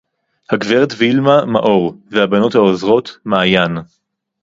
הגברת וילמה מאור, והבנות העוזרות, מעיין